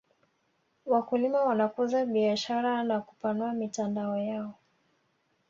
wakulima wanakuza biashara na kupanua mitandao yao